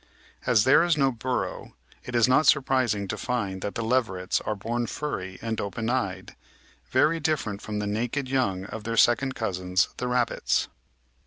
As there is no burrow, it is not surprising to find that the leverets are bom furry and open eyed, very different from the naked young of their second cousins, the rabbits.